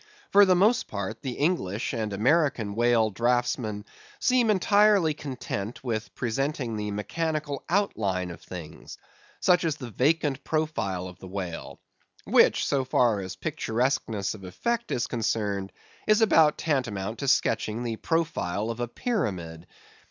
For the most part, the English and American whale draughtsmen seem entirely content with presenting the mechanical outline of things, such as the vacant profile of the whale; which, so far as picturesqueness of effect is concerned, is about tantamount to sketching the profile of a pyramid.